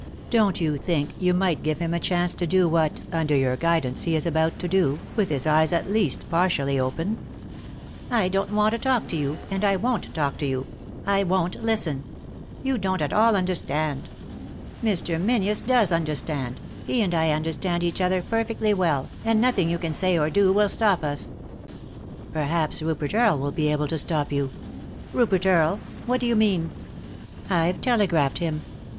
Don't you think you might give him a chance to do what, under your guidance, he is about to do, with his eyes at least partially open ?"" I don't want to talk to you, and I won't talk to you — I won't listen I You don't at all understand. Mr. Menzies does understand — he and I understand each other perfectly well, and nothing you can say or do will stop us." "Perhaps Rupert Earle will be able to stop yon." " Rupert Earle I What do you mean ?" "I've telegraphed to him."